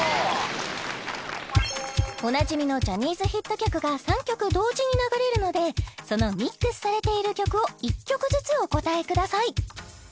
おなじみのジャニーズヒット曲が３曲同時に流れるのでそのミックスされている曲を１曲ずつお答えください